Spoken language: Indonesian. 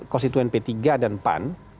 konstituen p tiga dan pan